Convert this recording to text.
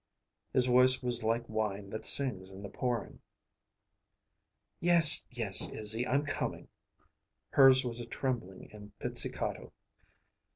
His voice was like wine that sings in the pouring. "Yes, yes, Izzy; I'm coming." Hers was trembling and pizzicato.